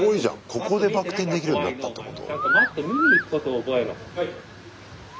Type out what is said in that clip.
ここでバク転できるようになったってこと？